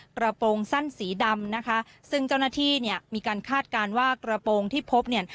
กระโปรงสั้นสีดำนะคะซึ่งเจ้าหน้าที่เนี่ยมีการคาดการณ์ว่ากระโปรงที่พบเนี่ย